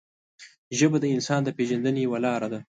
ژبه د انسان د پېژندنې یوه لاره ده